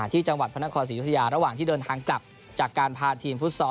ที่จังหวัดพระนครศรียุธยาระหว่างที่เดินทางกลับจากการพาทีมฟุตซอล